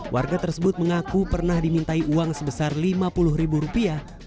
warga tersebut mengaku pernah dimintai uang sebesar lima puluh ribu rupiah